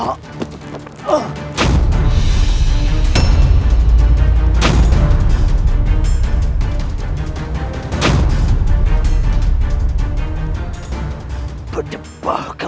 aku akan bekerja